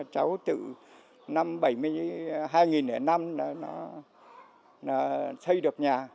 cháu từ năm hai nghìn năm nó xây được nhà